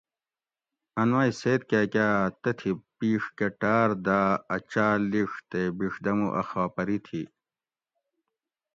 ان مئ سید کاکا اۤ تتھی پِیڛ کہ ٹاۤر داۤ اَ چاۤل لِڄ تے بِڛدمو اۤ خاپری تھی